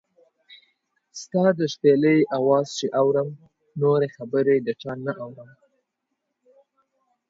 ستا د شپېلۍ اواز چې اورم، نورې خبرې د چا نۀ اورم